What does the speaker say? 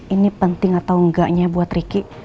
ini penting atau enggaknya buat ricky